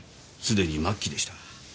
すでに末期でした。